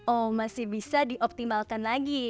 oh masih bisa dioptimalkan lagi